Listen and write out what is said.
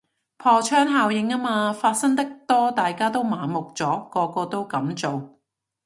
破窗效應吖嘛，發生得多大家都麻木咗，個個都噉做